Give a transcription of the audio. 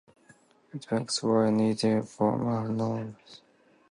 Its banks were neither formal nor falsely adorned.